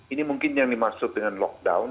ini mungkin yang dimaksud dengan lockdown